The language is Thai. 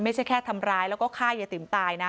ไม่ใช่แค่ทำร้ายแล้วก็ฆ่ายายติ๋มตายนะ